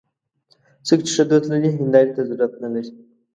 څوک چې ښه دوست لري، هنداري ته ضرورت نه لري